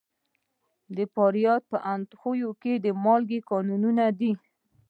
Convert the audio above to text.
د فاریاب په اندخوی کې د مالګې کانونه دي.